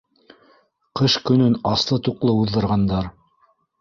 Ҡыш көнөн аслы-туҡлы уҙҙырғандар.